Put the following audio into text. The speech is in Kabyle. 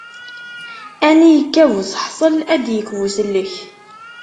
Ani yekka buseḥṣel ad d-yekk busellek.